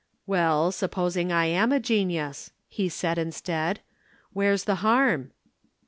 "Well, supposing I am a genius," he said instead. "Where's the harm?"